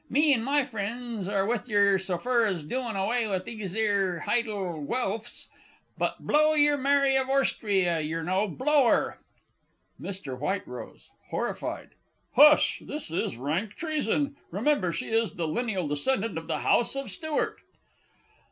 Me and my friends are with yer so fur as doing away with these 'ere hidle Guelphs; but blow yer Mary of Orstria, yer know. Blow 'er! MR. W. (horrified). Hush this is rank treason! Remember she is the lineal descendant of the House of Stuart!